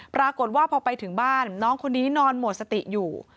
ปรากฏว่าพอไปถึงบ้านน้องคนนี้นอนหมดสติอยู่